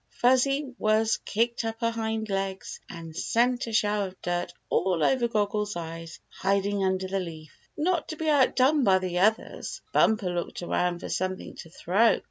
Fuzzy Wuzz kicked up her hind legs and sent a shower of dirt all over Goggle Eyes hiding under the leaf. Not to be outdone by the others, Bumper looked around for something to throw.